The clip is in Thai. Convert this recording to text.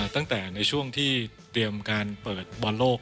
ในช่วงที่เตรียมการเปิดบอลโลก